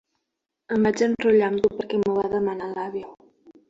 Em vaig enrotllar amb tu perquè m'ho va demanar l'àvia.